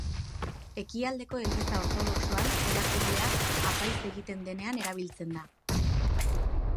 Ekialdeko eliza ortodoxoan irakurlea apaiz egiten denean erabiltzen da.